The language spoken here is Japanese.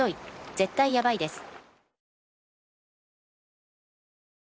絶対やばいです。